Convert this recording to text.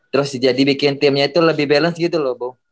terus jadi bikin timnya itu lebih balance gitu loh bu